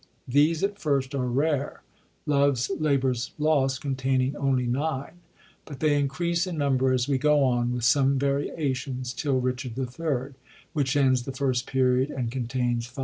These at first are rare,^ Lovers Labour's L&st containing only 9, but they increase in number, as we go on, with some variations, till Richard III, which ends the First Period and contains 670.